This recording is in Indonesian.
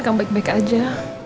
kamu baik baik aja